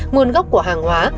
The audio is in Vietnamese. nguồn gốc của hàng hóa